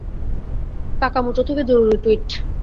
কাকামুচো থেকে জরুরী টুইট।